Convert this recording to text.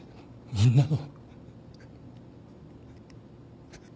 みんなの。